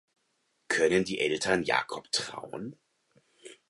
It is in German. Können die Eltern Jakob trauen?